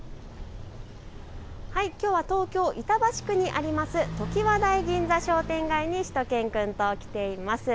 きょうは東京板橋区にある常盤台銀座商店街にしゅと犬くんと来ています。